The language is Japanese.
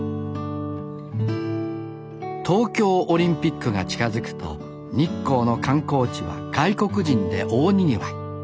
東京オリンピックが近づくと日光の観光地は外国人で大にぎわい。